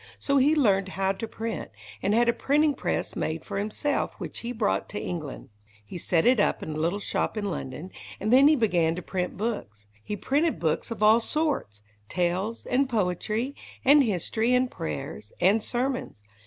So he learned how to print, and had a printing press made for himself, which he brought to England. He set it up in a little shop in London, and then he began to print books. He printed books of all sorts tales, and poetry, and history, and prayers, and sermons.